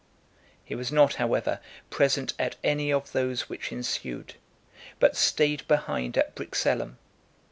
He was not, however, present at any of those which ensued, but stayed behind at Brixellum .